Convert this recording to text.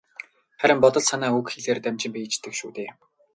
Харин бодол санаа үг хэлээр дамжин биеждэг шүү дээ.